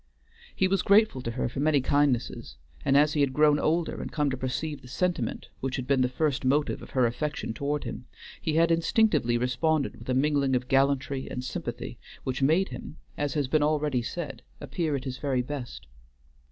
He was grateful to her for many kindnesses; and as he had grown older and come to perceive the sentiment which had been the first motive of her affection toward him, he had instinctively responded with a mingling of gallantry and sympathy which made him, as has been already said, appear at his very best.